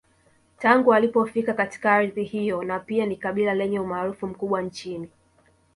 Tangu walipofika katika ardhi hiyo na pia ni kabila lenye umaarufu mkubwa nchini